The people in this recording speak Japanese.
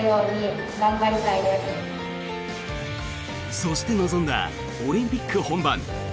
そして臨んだオリンピック本番。